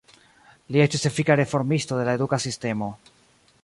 Li estis efika reformisto de la eduka sistemo.